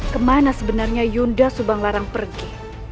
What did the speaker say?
kemana sebenarnya yunda subanglarang pergi